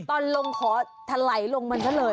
ตอนลงขอทะไหลลงมันเท่าเลย